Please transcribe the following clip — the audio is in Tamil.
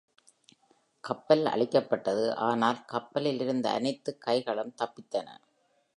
கப்பல் அழிக்கப்பட்டது, ஆனால் கப்பலில் இருந்த அனைத்து கைகளும் தப்பித்தன.